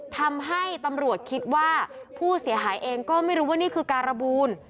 ทำให้ตำรวจคิดว่าผู้เสียหายเองก็ไม่รู้ว่านี่คือการบูล